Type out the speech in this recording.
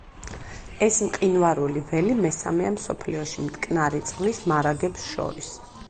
ეს მყინვარული ველი მესამეა მსოფლიოში მტკნარი წყლის მარაგებს შორის.